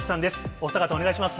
お二方、お願いします。